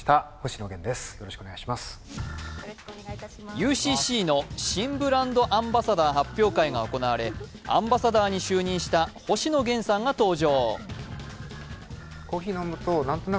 ＵＣＣの新ブランドアンバサダー発表会が行われアンバサダーに就任した星野源さんが登場。